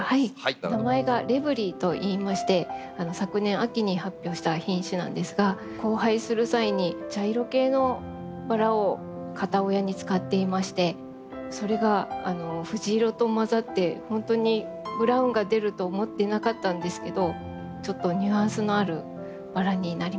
名前が「レヴリ」といいまして昨年秋に発表した品種なんですが交配する際に茶色系のバラを片親に使っていましてそれが藤色と混ざって本当にブラウンが出ると思ってなかったんですけどちょっとニュアンスのあるバラになりました。